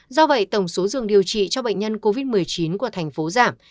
do vậy tổng số giường điều trị cho bệnh nhân covid một mươi chín của thành phố giảm